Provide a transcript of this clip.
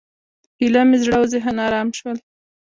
ایله مې زړه او ذهن ارامه شول.